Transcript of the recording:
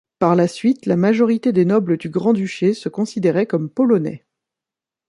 Par la suite la majorité des nobles du grand-duché se considéraient comme Polonais.